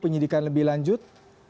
penyelidikan lebih lanjut